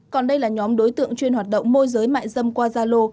còn đây là nhóm đối tượng chuyên hoạt động môi giới mại dâm qua gia lô